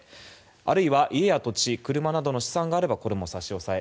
あるいは家や土地、車などの資産があればこれも差し押さえ。